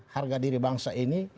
harga diri bangsa ini